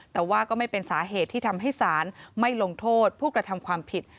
แต่ว่าก็ไม่เป็นสาเหตุที่ทำให้ศาลไม่ลงโทษผู้กระทำความผิด